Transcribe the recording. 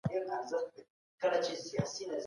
نوی نظام د امید نښه وبلل شو.